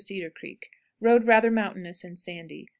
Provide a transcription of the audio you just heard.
Cedar Creek. Road rather mountainous and sandy.